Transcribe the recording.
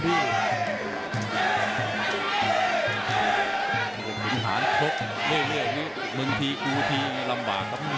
ตกไม่ลงเลยครับต้องใช้ความสดครับ